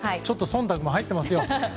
ちょっと忖度も入っていますよ。